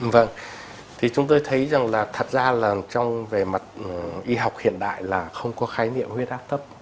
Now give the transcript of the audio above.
vâng thì chúng tôi thấy rằng là thật ra là trong về mặt y học hiện đại là không có khái niệm huyết áp thấp